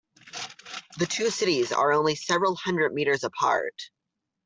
The two cities are only several hundred meters apart.